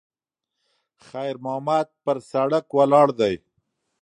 خیر محمد پر سړک ولاړ دی.